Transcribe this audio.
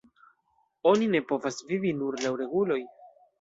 Oni ne povas vivi nur laŭ reguloj.